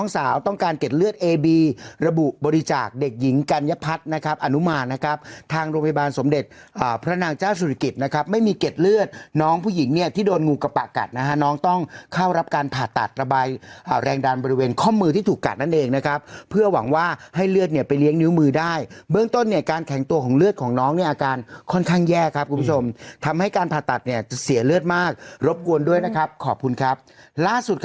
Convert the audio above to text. เสียดเลือดน้องผู้หญิงเนี่ยที่โดนงูกระปะกัดนะฮะน้องต้องเข้ารับการผ่าตัดระบายแรงดันบริเวณข้อมือที่ถูกกัดนั่นเองนะครับเพื่อหวังว่าให้เลือดเนี่ยไปเลี้ยงนิ้วมือได้เบื้องต้นเนี่ยการแข็งตัวของเลือดของน้องเนี่ยอาการค่อนข้างแย่ครับคุณผู้ชมทำให้การผ่าตัดเนี่ยจะเสียเลือดมากรบกวนด้